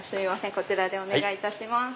こちらでお願いいたします。